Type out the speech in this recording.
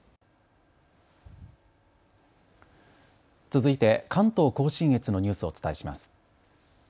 続いて関東甲信越のニュースをお伝えします。